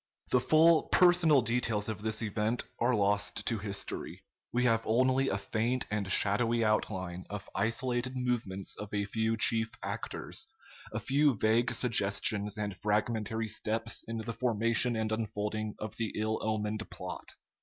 The full personal details of this event are lost to history. We have only a faint and shadowy outline of isolated movements of a few chief actors, a few vague suggestions and fragmentary steps in the formation and unfolding of the ill omened plot.